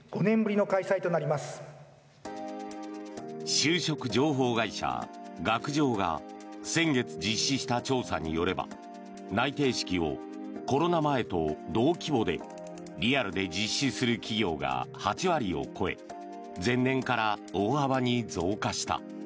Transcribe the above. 就職情報会社、学情が先月実施した調査によれば内定式をコロナ前と同規模でリアルで実施する企業が８割を超え前年から大幅に増加した。